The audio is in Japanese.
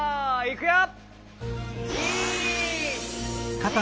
いくよ！